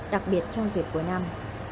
đặc biệt trong dịp cuối năm